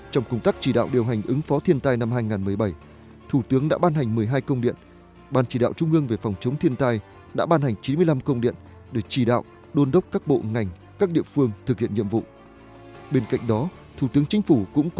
thống kê của ban chỉ đạo trung ương về phòng chống thiên tai và sản xuất cơ sở hạ tầng